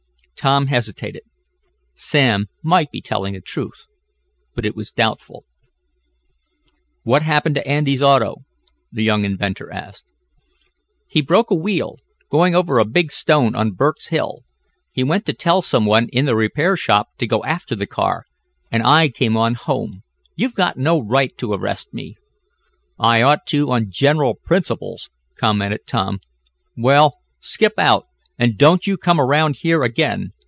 Tom hesitated. Sam might be telling the truth, but it was doubtful. "What happened to Andy's auto?" the young inventor asked. "He broke a wheel, going over a big stone on Berk's hill. He went to tell some one in the repair shop to go after the car, and I came on home. You've got no right to arrest me." "I ought to, on general principles," commented Tom. "Well, skip out, and don't you come around here again.